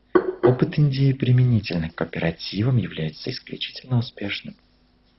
Опыт Индии применительно к кооперативам является исключительно успешным.